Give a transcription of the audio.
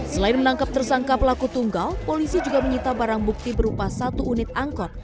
selain menangkap tersangka pelaku tunggal polisi juga menyita barang bukti berupa satu unit angkot